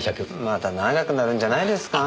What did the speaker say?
また長くなるんじゃないですか。